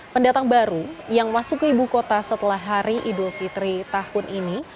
pendatang baru yang masuk ke ibu kota setelah hari idul fitri tahun ini